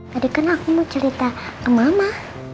tadi kan aku mau cerita ke mama